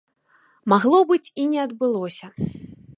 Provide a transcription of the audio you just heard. Магло быць і не адбылося.